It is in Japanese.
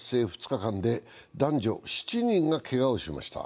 ２日間で男女７人がけがをしました。